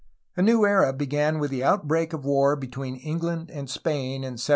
A new era began with the outbreak of war between Eng land and Spain in 1739.